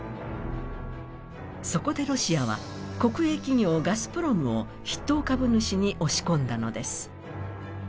そこでロシアは国営企業ガスプロムを筆頭株主に押し込んだのです。